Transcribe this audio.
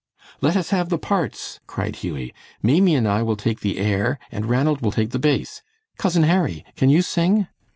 "Let us have the parts," cried Hughie. "Maimie and I will take the air, and Ranald will take the bass. Cousin Harry, can you sing?"